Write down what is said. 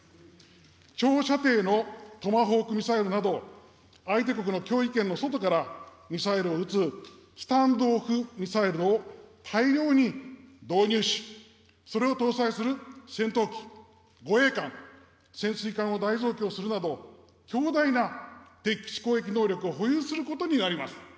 長射程のトマホーク・ミサイルなど、相手国の脅威圏の外からミサイルを打つスタンド・オフ・ミサイルを大量に導入し、それを搭載する戦闘機、護衛艦、潜水艦を大増強するなど、強大な敵基地攻撃能力を保有することになります。